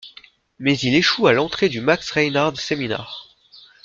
Mais il échoue à l'entrée du Max Reinhardt Seminar.